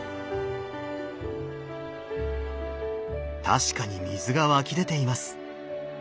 確かに水が湧き出ています。